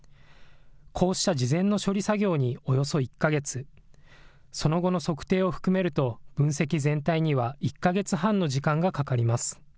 こうした事前の処理作業におよそ１か月、その後の測定を含めると、分析全体には１か月半の時間がかかります。